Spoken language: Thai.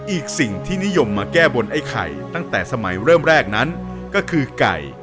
อีกสิ่งที่นิยมมาแก้บนไอ้ไข่ตั้งแต่สมัยเริ่มแรกนั้นก็คือไก่